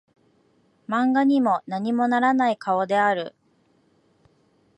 漫画にも何もならない顔である